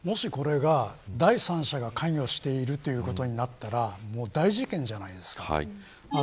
もしこれが第三者が関与しているということになったらもう、大事件じゃないですか。